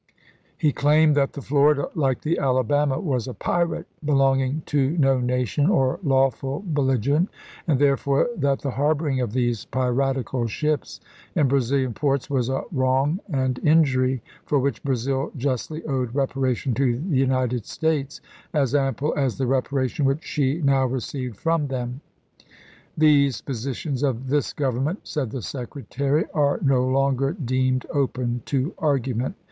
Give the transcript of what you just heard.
He claimed that the Florida like the Ala bama was a pirate belonging to no nation or lawful belligerent, and therefore that the harboring of these piratical ships in Brazilian ports was a wrong and injury for which Brazil justly owed reparation to the United States as ample as the reparation which she now received from them. " These positions of this Government," said the Secretary, "are no longer deemed open to argument.